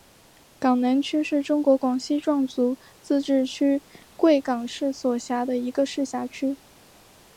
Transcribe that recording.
港南区是中国广西壮族自治区贵港市所辖的一个市辖区。